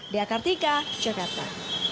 di akartika jakarta